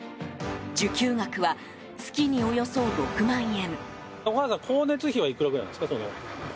受給額は、月におよそ６万円。